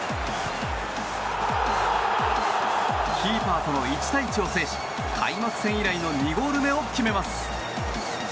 キーパーとの１対１を制し開幕戦以来の２ゴール目を決めます。